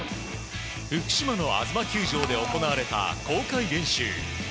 福島のあづま球場で行われた公開練習。